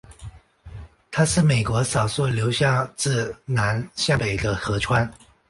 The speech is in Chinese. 它是美国少数流向自南向北的河川。